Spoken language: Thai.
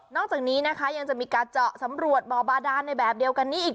จากนี้นะคะยังจะมีการเจาะสำรวจบ่อบาดานในแบบเดียวกันนี้อีก